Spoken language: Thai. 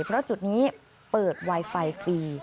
เพราะจุดนี้เปิดไวไฟฟรี